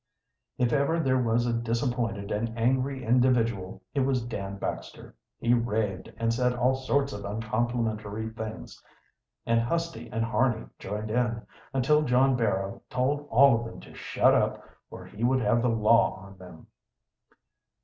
If ever there was a disappointed and angry individual, it was Dan Baxter. He raved and said all sorts of uncomplimentary things, and Husty and Harney joined in, until John Barrow told all of them to shut up or he would have the law on them.